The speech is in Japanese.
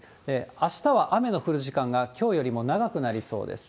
あしたは雨の降る時間が、きょうよりも長くなりそうです。